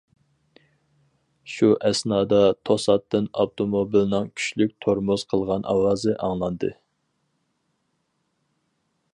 شۇ ئەسنادا توساتتىن ئاپتوموبىلنىڭ كۈچلۈك تورمۇز قىلغان ئاۋازى ئاڭلاندى.